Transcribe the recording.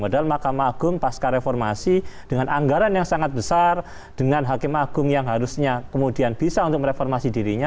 padahal mahkamah agung pasca reformasi dengan anggaran yang sangat besar dengan hakim agung yang harusnya kemudian bisa untuk mereformasi dirinya